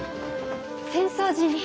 浅草寺に。